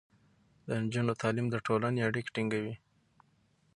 د نجونو تعليم د ټولنې اړيکې ټينګې کوي.